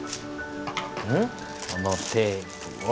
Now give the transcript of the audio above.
このテープを。